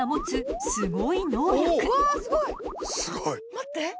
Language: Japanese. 待って。